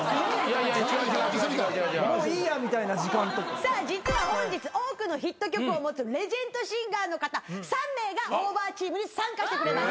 さあ実は本日多くのヒット曲を持つレジェンドシンガーの方３名がオーバーチームに参加してくれます。